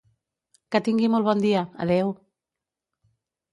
Que tingui molt bon dia, adeu.